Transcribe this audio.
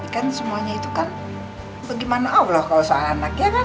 kan semuanya itu kan bagaimana allah kalau soal anak ya kan